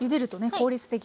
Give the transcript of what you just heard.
効率的に。